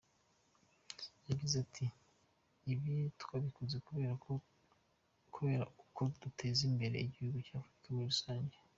Yagize ati “Ibi twabikoze kubera uko muteza imbere igihugu na Afurika muri rusange.